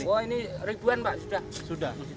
oh ini ribuan pak sudah